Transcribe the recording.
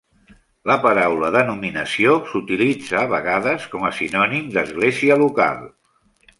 La paraula denominació s'utilitza a vegades com a sinònim d'església local.